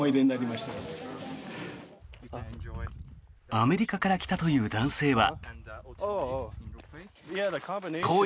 アメリカから来たという男性は。